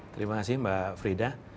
terima kasih mbak frida